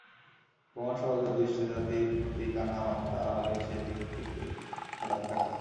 কুমারসভা যদি স্ত্রীজাতির প্রতিই কানা হন তা হলে সে দিক থেকেই হঠাৎ ঘা খাবেন।